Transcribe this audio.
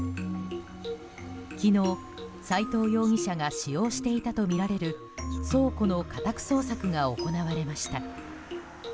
昨日、齋藤容疑者が使用していたとみられる倉庫の家宅捜索が行われました。